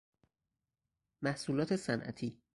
محصولات صنعتی